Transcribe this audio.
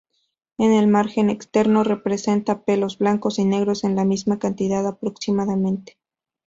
En el margen externo presenta pelos blancos y negros en la misma cantidad aproximadamente.